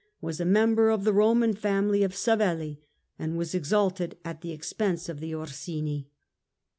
was a member of the Roman family of 87'' ' Savelh, and was exalted at the expense of the Orsini.